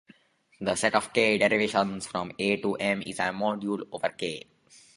The set of "k"-derivations from "A" to "M", is a module over "k".